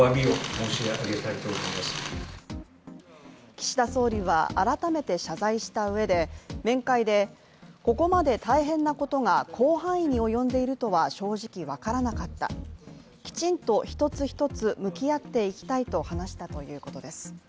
岸田総理は、改めて謝罪したうえで面会で、ここまで大変なことが広範囲に及んでいるとは正直分からなかった、きちんと一つ一つ向き合っていきたいと話したということです。